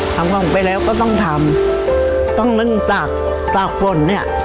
ทำของไปแล้วก็ต้องทำต้องนึกตากตากฝนเนี่ย